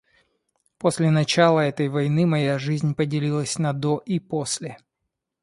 После начала этой войны моя жизнь поделилась на до и после.